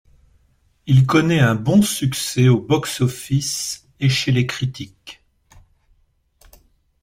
Il connaît un bon succès au box-office et chez les critiques.